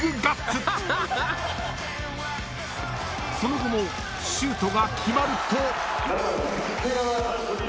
［その後もシュートが決まると］